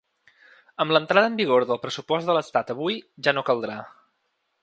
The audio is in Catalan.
Amb l’entrada en vigor del pressupost de l’estat avui, ja no caldrà.